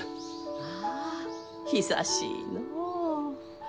ああ久しいのう。